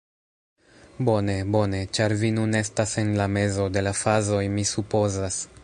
Bone, bone, ĉar vi nun estas en la mezo de la fazoj mi supozas.